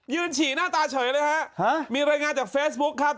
ฉี่หน้าตาเฉยเลยฮะมีรายงานจากเฟซบุ๊คครับ